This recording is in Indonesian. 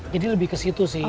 jadi lebih ke situ sih